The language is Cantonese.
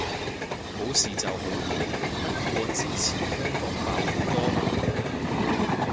冇事就好，不過之前香港爆好多